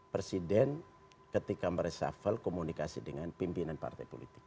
presiden ketika meresafel komunikasi dengan pimpinan partai politik